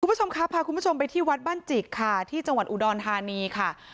คุณผู้ชมครับพาคุณผู้ชมไปที่วัดบ้านจิกค่ะที่จังหวัดอุดรธานีค่ะ